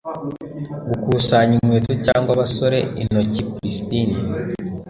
gukusanya inkweto cyangwa abasore, intoki pristine